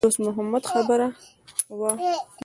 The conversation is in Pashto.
د دوست محمد خبره وه.